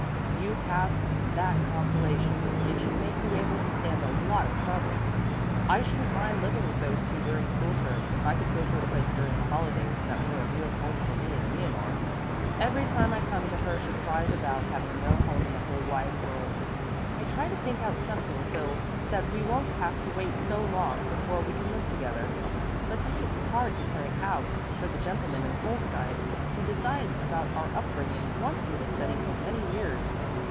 If you have that consolation, it should make you able to stand a lot of trouble. I shouldn't mind living with those two during school term, if I could go to a place during the holidays that were a real home for me and Leonore. Every time I come to her she cries about having no home in the whole wide world. I try to think out something so that we won't have to wait so long before we can live together. But that is hard to carry out, for the gentleman in Holstein who decides about our upbringing wants me to study for many years.